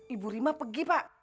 ibu rima pergi pak